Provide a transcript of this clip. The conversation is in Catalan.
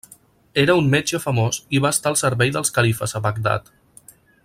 Era un metge famós i va estar al servei dels califes a Bagdad.